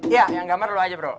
iya yang gambar lu aja bro